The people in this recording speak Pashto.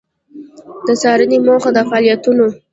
د څــارنـې موخـه او فعالیـتونـه: